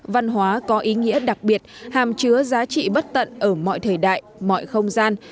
văn hóa có ý nghĩa đặc biệt hàm chứa giá trị bất tận ở mọi thời đại mọi không gian